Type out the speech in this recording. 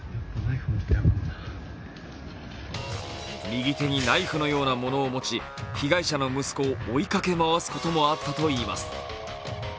右手にナイフのようなものを持ち、被害者の息子を追いかけ回すこともあったといいます。